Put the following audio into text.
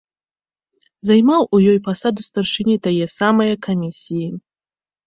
Займаў у ёй пасаду старшыні тае самае камісіі.